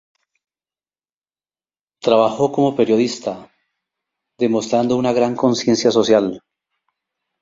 Trabajó como periodista, demostrando una gran conciencia social.